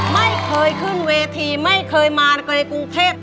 ไม่เคยขึ้นเวทีไม่เคยมาใกล้กูเพชร